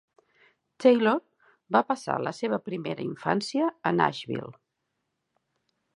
Taylor va passar la seva primera infància a Nashville.